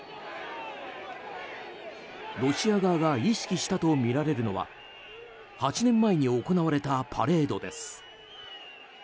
ロシア側が意識したとみられるのは８年前に行われたパレードです。